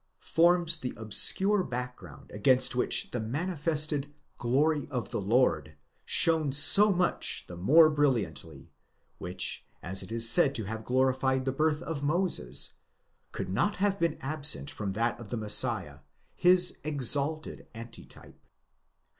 °)—forms the obscure background against which the manifested glory of the Lord shone so much the more brilliantly, which, as it is said to have glorified the birth of Moses,?! could not have been absent from that of the Messiah, his exalted antitype.